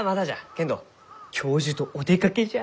けんど教授とお出かけじゃ。